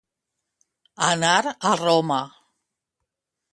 Anar a Roma.